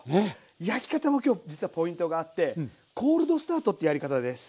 焼き方も今日実はポイントがあってコールドスタートってやり方です。